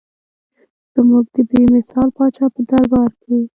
زموږ د بې مثال پاچا په دربار کې.